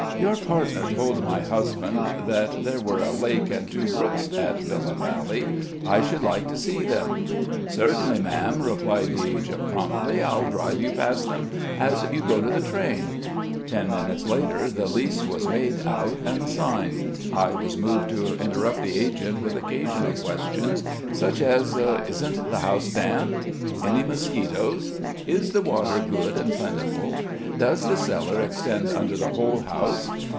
"Your partner told my husband that there were a lake and two brooks at Villa Valley. I should like to see them." "Certainly, ma'am," replied the agent, promptly; "I'll drive you past them as you go to the train." Ten minutes later the lease was made out and signed. I was moved to interrupt the agent with occasional questions, such as, "Isn't the house damp?" "Any mosquitoes?" "Is the water good and plentiful?" "Does the cellar extend under the whole house?"